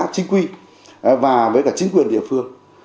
chính quy và với cả chính quyền địa phương